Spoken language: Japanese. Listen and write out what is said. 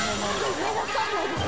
いや分かんないです